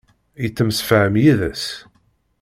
Yettemsefham yid-s.